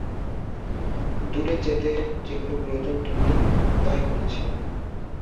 দূরে যেতে যেগুলো প্রয়োজন তুমি তাই করেছিলে।